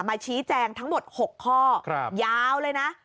มาชี้แจงทั้งหมด๖ข้อยาวเลยนะ